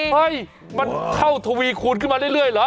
เฮ้ยมันเข้าทวีคูณขึ้นมาเรื่อยเหรอ